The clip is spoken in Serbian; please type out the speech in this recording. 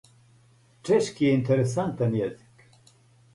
Чешки је интересантан језик.